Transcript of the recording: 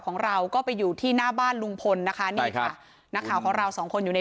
ของเราก็ไปอยู่ที่หน้าบ้านลุงพลนะคะนี่ค่ะนักข่าวของเราสองคนอยู่ใน